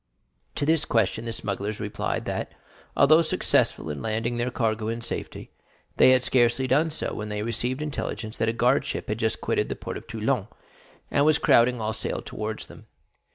To this question the smugglers replied that, although successful in landing their cargo in safety, they had scarcely done so when they received intelligence that a guard ship had just quitted the port of Toulon and was crowding all sail towards them.